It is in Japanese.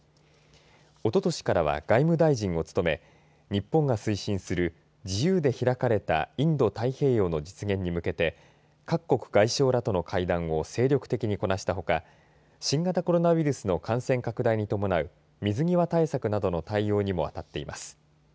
おととしからは外務大臣を務め日本が推進する自由で開かれたインド太平洋の実現に向けて各国外相らとの会談を精力的にこなしたほか新型コロナウイルスの感染拡大に伴う水際対策などの対応にもあたっています。